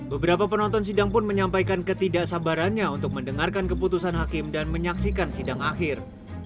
beberapa penonton sidang pun menyampaikan ketidaksabarannya untuk mendengarkan keputusan hakim dan menyaksikan sidang akhir